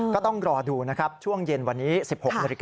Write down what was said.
ก็ต้องรอดูนะครับช่วงเย็นวันนี้๑๖นาฬิกา